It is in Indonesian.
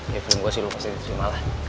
ya film gue sih lo pasti terima lah